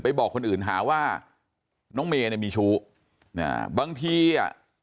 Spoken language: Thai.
บอกคนอื่นหาว่าน้องเมย์เนี่ยมีชู้อ่าบางทีอ่ะ